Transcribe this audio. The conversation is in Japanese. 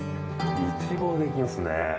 一望できますね。